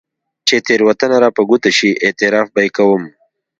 چې تېروتنه راپه ګوته شي، اعتراف به يې کوم.